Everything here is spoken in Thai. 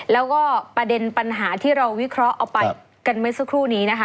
แล้วก็ประเด็นปัญหาที่เราวิเคราะห์เอาไปกันเมื่อสักครู่นี้นะคะ